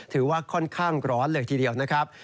ถือว่าค่อนข้างร้อนเลยทีเดียวนะครับ